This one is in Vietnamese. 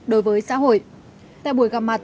đối với xã hội tại buổi gặp mặt